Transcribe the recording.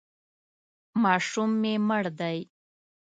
ماشوم مې مړ دی.